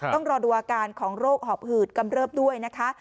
ต้องรอดูอาการของโรคหอบหืดกำเริบด้วยนะคะ